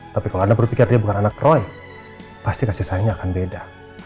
tapi kalau anda berpikir dia bukan anak roy pasti kasih sayangnya akan beda